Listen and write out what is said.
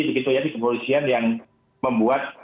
begitu ya di kepolisian yang membuat